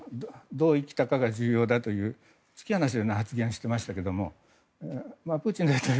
どう生きたかが重要だという突き放したような発言をしてましたけどプーチン大統領